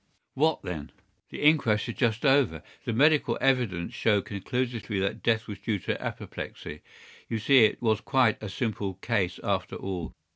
"What then?" "The inquest is just over. The medical evidence showed conclusively that death was due to apoplexy. You see it was quite a simple case after all."